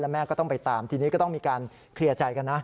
แม่ก็ต้องไปตามทีนี้ก็ต้องมีการเคลียร์ใจกันนะ